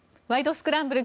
スクランブル」